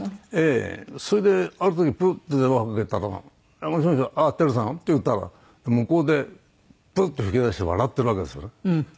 ええ。それである時プルって電話かけたら「あっもしもしああ輝さん？」って言ったら向こうでプッて噴き出して笑ってるわけですよね。